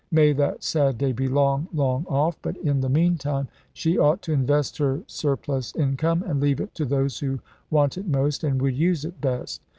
May that sad day be long, long off; but in the meantime she ought to invest her surplus income, and leave it to those who want it most and would use it best.